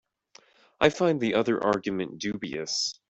I find the other argument dubious.